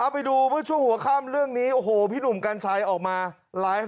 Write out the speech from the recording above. ไปดูเมื่อช่วงหัวข้ามเรื่องนี้โอ้โหพี่หนุ่มกัญชัยออกมาไลฟ์